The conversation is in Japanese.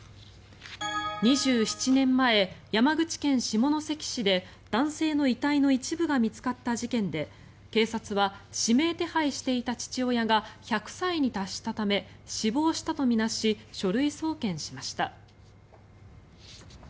２７年前、山口県下関市で男性の遺体の一部が見つかった事件で、警察は指名手配していた父親が１００歳に達したため死亡したと見なし書類送検しました。